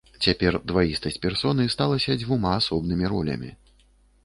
Цяпер дваістасць персоны сталася дзвюма асобнымі ролямі.